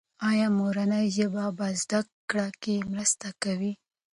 ایا مورنۍ ژبه په زده کړه کې مرسته کوي؟